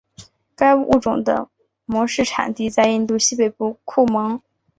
该物种的模式产地在印度西北部库蒙。